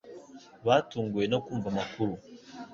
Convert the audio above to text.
Batunguwe no kumva amakuru